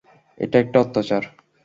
এটা একটা অত্যাচার।